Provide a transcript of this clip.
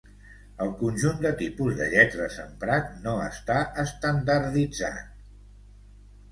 El conjunt de tipus de lletres emprat no està estandarditzat.